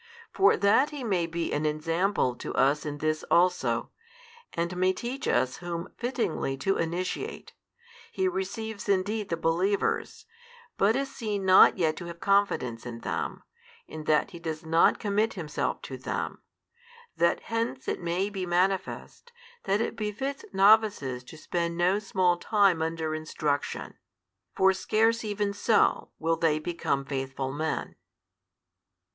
For that He may be an Ensample to us in this also, and may teach us whom fittingly to initiate, He receives indeed the believers, but is seen not yet to have confidence in them, in that He does not commit Himself to them: that hence it may be manifest, that it befits novices to spend no small time under instruction; for scarce even so will they become faithful men.